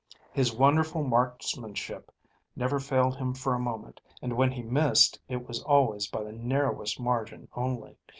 His wonderful marksmanship never failed him for a moment, and when he missed it was always by the narrowest margin only.